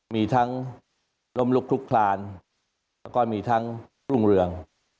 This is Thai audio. มีทั้งล้มลุกลุกคลานแล้วก็มีทั้งรุ่งเรือง